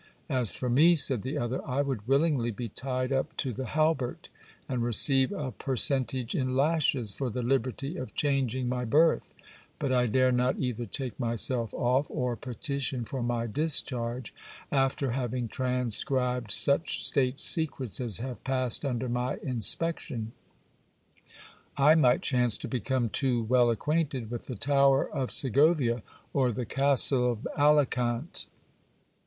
As for me, said the other, I would willingly be tied up to the halbert, and receive a per centage in lashes, for the liberty of changing my berth ; but I dare not either take myself off or petition for my discharge, after having transcribed such state secrets as have passed under my inspection. I might chance to become too well acquainted with the tower of Segovia or the castle of Alicant.